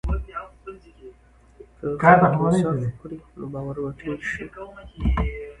که خلک انصاف وکړي، نو باور به ټینګ شي.